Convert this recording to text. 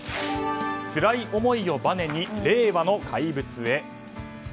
つらい思いをバネに令和の怪物へ。